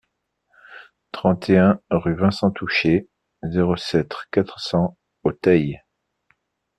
trente et un rue Vincent Touchet, zéro sept, quatre cents au Teil